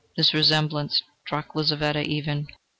This resemblance struck Lizaveta even.